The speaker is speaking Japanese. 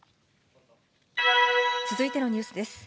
続いてのニュースです。